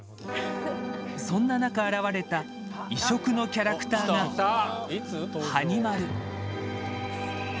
そんな中、現れた異色のキャラクターが「はに丸」。